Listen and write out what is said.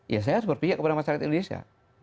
ya saya harus berpihak kepada masyarakat indonesia